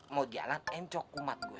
mau jalan encok umat gue